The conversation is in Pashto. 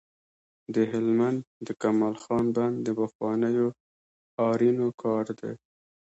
د هلمند د کمال خان بند د پخوانیو آرینو کار دی